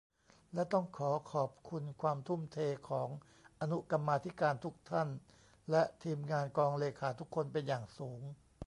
และต้องขอขอบคุณความทุ่มเทของอนุกรรมาธิการทุกท่าน และ ทีมงานกองเลขาทุกคนเป็นอย่างสูง